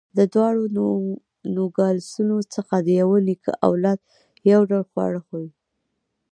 د دواړو نوګالسونو خلک د یوه نیکه اولاد، یو ډول خواړه خوري.